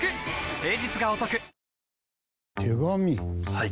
はい。